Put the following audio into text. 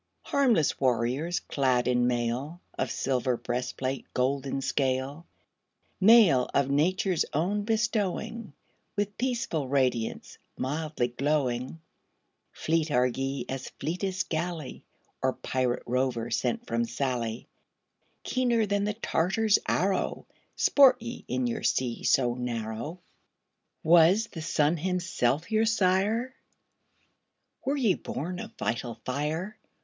Harmless warriors, clad in mail Of silver breastplate, golden scale; Mail of Nature's own bestowing, With peaceful radiance, mildly glowing Fleet are ye as fleetest galley Or pirate rover sent from Sallee; Keener than the Tartar's arrow, Sport ye in your sea so narrow. Was the sun himself your sire? Were ye born of vital fire?